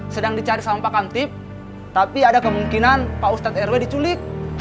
sedang dicari sama pak kantip tapi ada kemungkinan pak ustadz rw diculik